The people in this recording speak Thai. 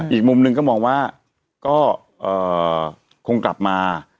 อีกมุมหนึ่งก็มองว่าก็คงกลับมา